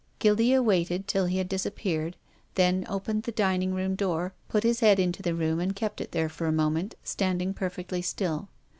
Guildca waited till he had disappeared, then opened the dining room door, put his head into the room and kept it there for a moment, standing perfectly still.